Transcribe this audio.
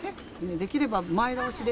できれば前倒しで。